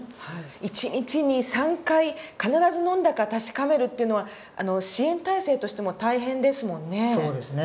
一日に３回必ず飲んだか確かめるっていうのは支援体制としても大変ですもんね。